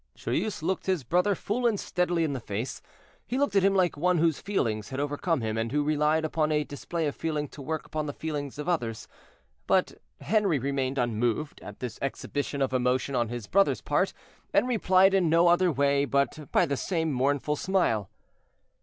Joyeuse looked his brother full and steadily in the face; he looked at him like one whose feelings had overcome him, and who relied upon a display of feeling to work upon the feelings of others. But Henri remained unmoved at this exhibition of emotion on his brother's part, and replied in no other way but by the same mournful smile.